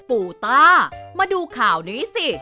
ปู่ต้ามาดูข่าวนี้สิ